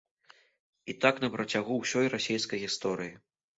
І так на працягу ўсёй расейскай гісторыі.